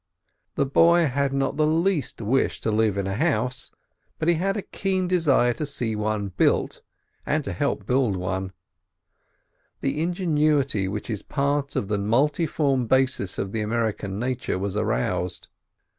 The boy had not the least wish to live in a house, but he had a keen desire to see one built, and help to build one. The ingenuity which is part of the multiform basis of the American nature was aroused.